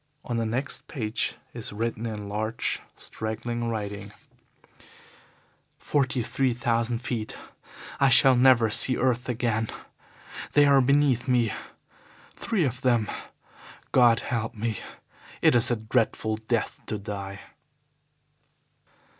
On the next page is written, in large, straggling writing: "Forty three thousand feet. I shall never see earth again. They are beneath me, three of them. God help me; it is a dreadful death to die!"